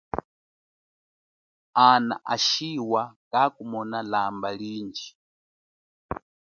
Ana ashiwa kakumona lamba lindji.